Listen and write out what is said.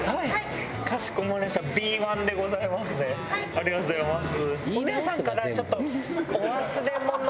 ありがとうございます。